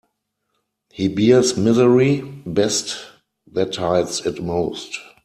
He bears misery best that hides it most.